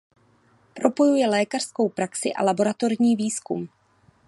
Propojuje lékařskou praxi a laboratorní výzkum.